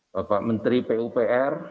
bapak menteri pupr